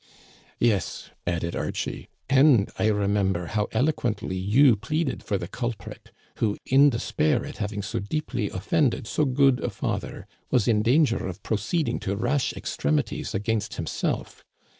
" Yes," added Archie, " and I remember how elo quently you pleaded for the culprit, who, in despair at having so deeply offended so good a father, was in dan ger of proceeding to rash extremities against himself.